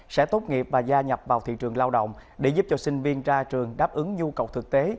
sẽ tốt nghiệp và gia nhập vào thị trường lao động để giúp cho sinh viên ra trường đáp ứng nhu cầu thực tế